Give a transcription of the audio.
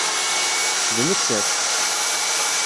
D nettat.